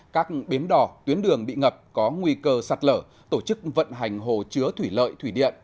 các bến đỏ tuyến đường bị ngập có nguy cơ sạt lở tổ chức vận hành hồ chứa thủy lợi thủy điện